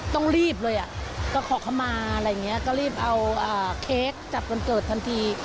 ต้องรีบเลยอ่ะก็ขอเข้ามาอะไรอย่างนี้ก็รีบเอาเค้กจับวันเกิดทันที